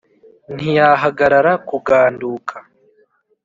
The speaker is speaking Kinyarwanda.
Ntiyahagarara kuganduka.